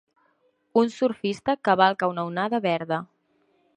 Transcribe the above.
Un surfista cavalca una onada verda.